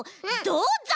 どうぞ！